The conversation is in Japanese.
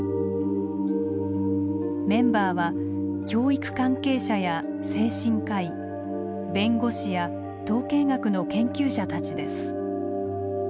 メンバーは教育関係者や精神科医弁護士や統計学の研究者たちです。